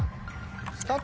スタート！